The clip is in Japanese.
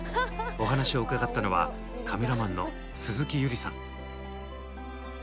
お話を伺ったのはカメラマンの鈴木友莉さん。